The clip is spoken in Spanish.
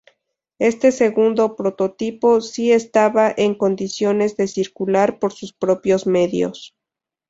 Este segundo prototipo si estaba en condiciones de circular por sus propios medios.